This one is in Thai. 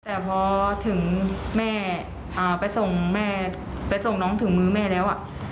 แต่พอถึงแม่ไปส่งแม่ไปส่งน้องถึงมือแม่แล้ว